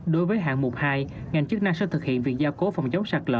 đối với hạng mục hai ngành chức năng sẽ thực hiện việc gia cố phòng chống sạt lỡ